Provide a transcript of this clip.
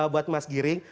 buat mas giring